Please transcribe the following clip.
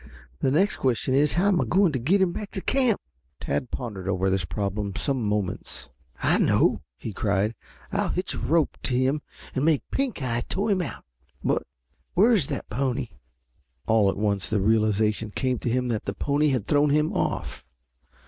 The next question is how am I going to get him back to camp?" Tad pondered over this problem some moments. "I know," he cried. "I'll hitch a rope to him and make Pink eye tow him out. But where is that pony?" All at once the realization came to him that the pony had thrown him off.